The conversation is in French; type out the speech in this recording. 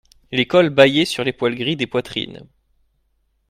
Les cols bâillaient sur les poils gris des poitrines.